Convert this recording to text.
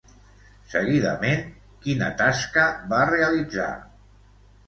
Seguidament quina tasca va realitzar?